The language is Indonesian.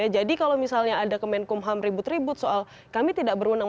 jadi kalau misalnya ada kemenkum ham ribut ribut soal kami tidak berwenang